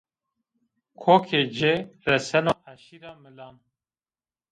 Kokê ci reseno eşîra milan.